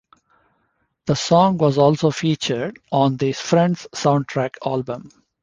The song was also featured on the "Friends Soundtrack" album.